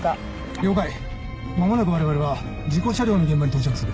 了解間もなく我々は事故車両の現場に到着する。